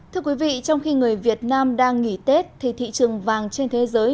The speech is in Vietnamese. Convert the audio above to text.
thưa quý vị trong khi người việt nam đang nghỉ tết thì thị trường vàng trên thế giới